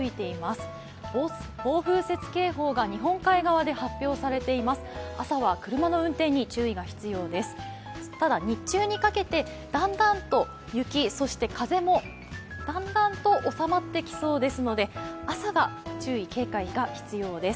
ただ、日中にかけて雪、風もだんだんと収まってきそうですので朝が注意・警戒が必要です。